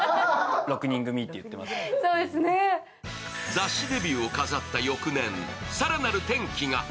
雑誌デビューを飾った翌年更なる転機が。